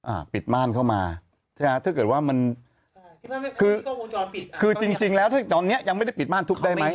อ่ะปิดม่านเข้ามาถ้าเกิดว่ามันคือจริงแล้วตอนนี้ยังไม่ได้ปิดม่านทุบได้ไหม